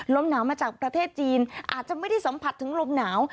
ลมหนาวมาจากประเทศจีนอาจจะไม่ได้สัมผัสถึงลมหนาว